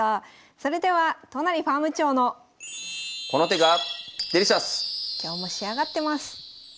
それでは都成ファーム長の今日も仕上がってます。